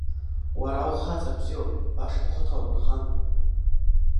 Уара ухаҵа бзиоуп, баша ухы ҭоумырхан!